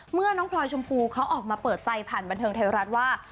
เมื่อน้องพลอยชมพูเขาออกมาเปิดใจผ่านบันเทิงไทยรัฐว่า